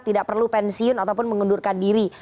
tidak perlu pensiun ataupun mengundurkan diri